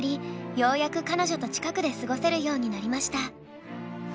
ようやく彼女と近くで過ごせるようになりました。